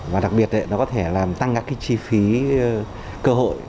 và đặc biệt nó có thể tăng các chi phí cơ hội